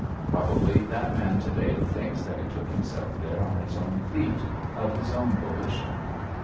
Probably that man to day thinks that he took himself there on his own feet, of his own volition.